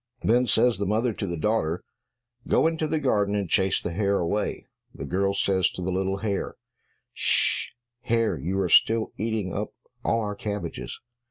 Then says the mother to the daughter, "Go into the garden, and chase the hare away." The girl says to the little hare, "Sh sh, hare, you are still eating up all our cabbages."